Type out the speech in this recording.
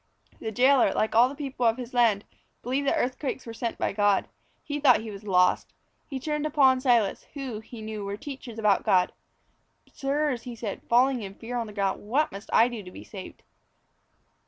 The jailor, like all the people of his land, believed that earthquakes were sent by God. He thought he was lost. He turned to Paul and Silas who, he knew, were teachers about God. "Sirs," he said, falling in fear on the ground, "what must I do to be saved?"